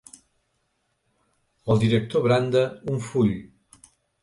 El director branda un full.